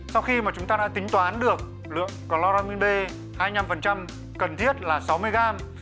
sau khi mà chúng ta đã tính toán được lượng chloramin b hai mươi năm cần thiết là sáu mươi gram